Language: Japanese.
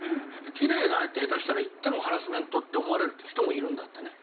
「キレイだね」って下手したら言ってもハラスメントって思われるっていう人もいるんだってね。